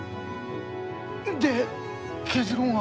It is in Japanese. で結論は？